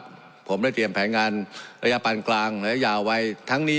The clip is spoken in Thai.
อย่างเดียวนะครับผมได้เตรียมแผนงานระยะปันกลางระยะยาวไวทั้งนี้